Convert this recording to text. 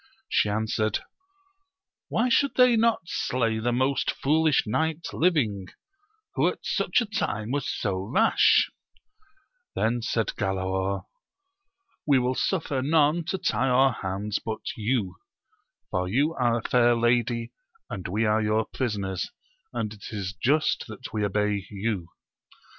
She answered, Why should they not slay the most foolish knight living, who at such a time was so rash 1 Then said Galaor, We will suffer none to tie our hands but you ; for you are a fair lady, and we are your prisoners, and it is just that we obey you.